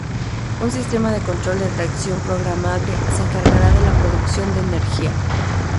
Un sistema de control de tracción programable se encargará de la producción de energía.